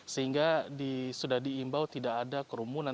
sehingga sudah diimbau tidak ada kerumunan